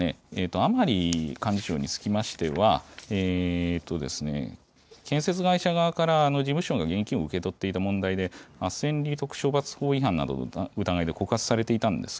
甘利幹事長につきましては建設会社側から事務所の現金を受け取っていた問題であっせん賭博法違反の疑いで告発されていたんですが